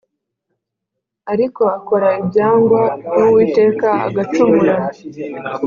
Ariko akora ibyangwa n’uwiteka agacumura